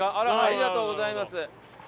ありがとうございます。